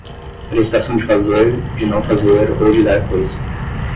prestação de fazer, de não fazer ou de dar coisa